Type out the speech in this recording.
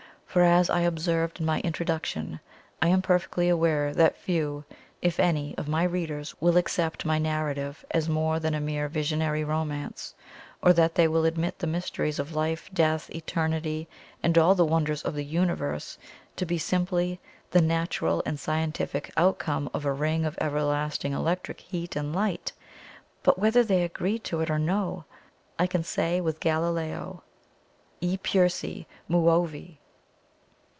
For, as, I observed in my introduction, I am perfectly aware that few, if any, of my readers will accept my narrative as more than a mere visionary romance or that they will admit the mysteries of life, death, eternity, and all the wonders of the Universe to be simply the NATURAL AND SCIENTIFIC OUTCOME OF A RING OF EVERLASTING ELECTRIC HEAT AND LIGHT; but whether they agree to it or no, I can say with Galileo, "E pur si muove!"